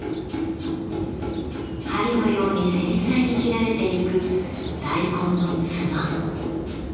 針のように繊細に切られていく大根のつま。